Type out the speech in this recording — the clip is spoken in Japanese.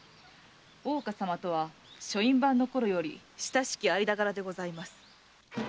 大岡様とは書院番のころより親しき間柄でございます。